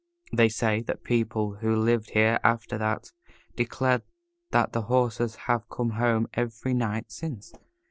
'They say' that the people who lived here after that declared that the horses have come home every midnight since.